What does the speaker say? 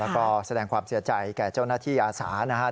แล้วก็แสดงความเสียใจแก่เจ้าหน้าที่อาสานะครับ